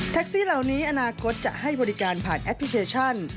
ซี่เหล่านี้อนาคตจะให้บริการผ่านแอปพลิเคชัน